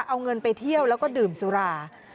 เอาเงินไปเที่ยวแล้วก็ดื่มสุรา